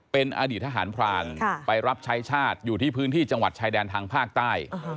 เป็นอดีตทหารพรานไปรับใช้ชาติอยู่ที่พื้นที่จังหวัดชายแดนทางภาคใต้